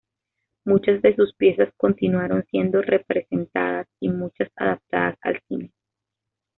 Muchas de sus piezas continuaron siendo representadas, y muchas adaptadas al cine.